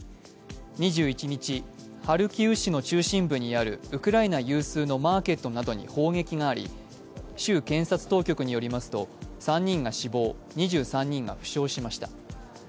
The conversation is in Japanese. ２１日、ハルキウ市の中心部にあるウクライナ有数のマーケットなどに砲撃があり州検察当局によりますと、３人が死亡、２３人が負傷しました。